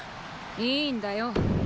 いいんだよ。